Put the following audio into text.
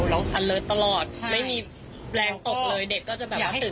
อันเลิศตลอดไม่มีแรงตกเลยเด็กก็จะแบบว่าตื่น